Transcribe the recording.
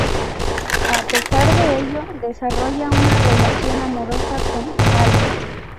A pesar de ello, desarrolla una relación amorosa con Halo.